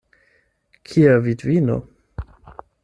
Kia vidvino?